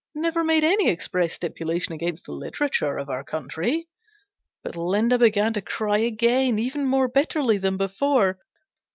never made any express stipulation against the literature of our country." But Linda began to cry again, even more bitterly than before.